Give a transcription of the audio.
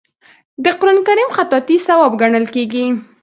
د قران کریم خطاطي ثواب ګڼل کیږي.